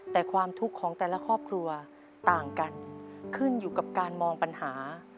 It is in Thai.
แต่ความทุกข์ของแต่ละครอบครัวต่างกันขึ้นอยู่กับการมองปัญหา